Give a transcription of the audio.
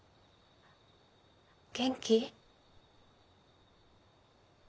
元気？